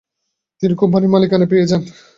তিনি কোম্পানির মালিকানা পেয়ে যান।